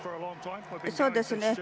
そうですね。